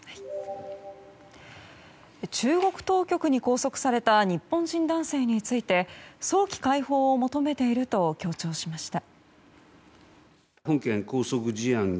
中国当局に拘束された日本人男性について早期解放を求めていると強調しました。